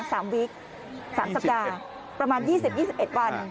๓สัปดาห์ประมาณ๒๐๒๑วัน